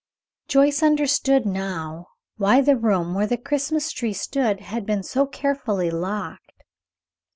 Joyce understood, now, why the room where the Christmas tree stood had been kept so carefully locked.